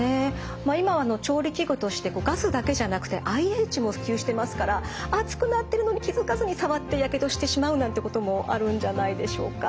まあ今は調理器具としてガスだけじゃなくてＩＨも普及してますから熱くなってるのに気付かずに触ってやけどしてしまうなんてこともあるんじゃないでしょうか。